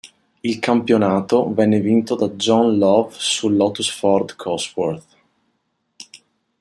Il campionato venne vinto da John Love su Lotus-Ford Cosworth.